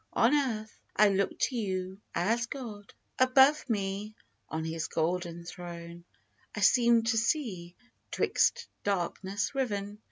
On earth, I look to you as God ! Above me, on His golden throne I seem to see, 'twixt darkness riven.